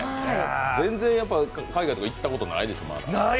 全然、海外とか行ったことないでしょ？